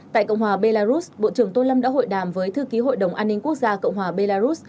tại cộng hòa belarus bộ trưởng tô lâm đã hội đàm với thư ký hội đồng an ninh quốc gia cộng hòa belarus